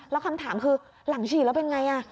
แล้วคำถามคือหลังฉีดแล้วเป็นไง